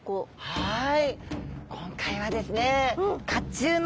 はい。